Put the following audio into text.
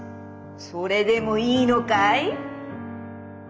それでもいいのかい？」。